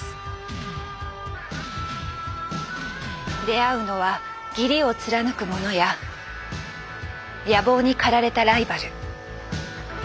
出会うのは義理を貫く者や野望に駆られたライバル。